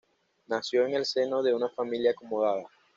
Nació en el seno de en una familia acomodada.